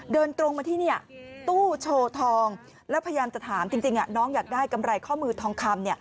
เดินตรงมาที่ตู้โชว์ทองแล้วพยายามจะถามจริงน้องอยากได้กำไรข้อมือทองคำ